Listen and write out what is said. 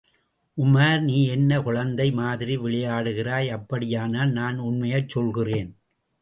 உமார் நீ என்ன குழந்தை மாதிரி விளையாடுகிறாய்? அப்படியானால், நான் உண்மையாகச் சொல்கிறேன்.